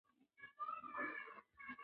ثانیه وايي، مخکې ډېره احساساتي وم.